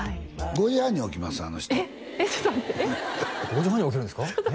５時半に起きるんですか？